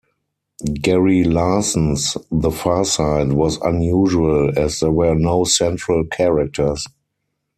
Gary Larson's "The Far Side" was unusual, as there were no central characters.